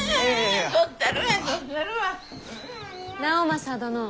直政殿。